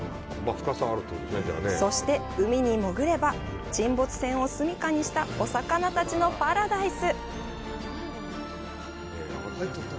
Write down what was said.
そして、海に潜れば沈没船を住みかにしたお魚たちのパラダイス。